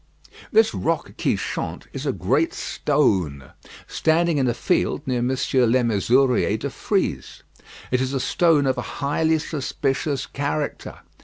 This Roque qui Chante is a great stone, standing in a field near Mons. Lemézurier de Fry's. It is a stone of a highly suspicious character.